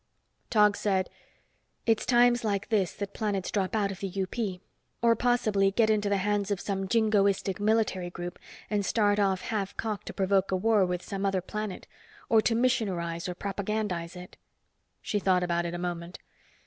Tog said, "It's times like this that planets drop out of the UP. Or, possibly, get into the hands of some jingoistic military group and start off halfcocked to provoke a war with some other planet, or to missionarize or propagandize it." She thought about it a moment.